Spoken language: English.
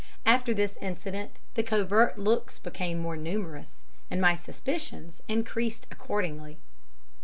After this incident the covert looks became more numerous, and my suspicions increased accordingly.